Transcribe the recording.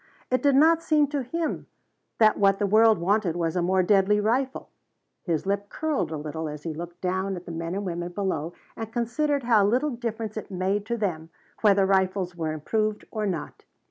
It did not seem to him that what the world wanted was a more deadly rifle. His lip curled a little as he looked down at the men and women below and considered how little difference it made to them whether rifles were improved or not.